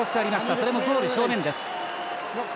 それもゴール正面です。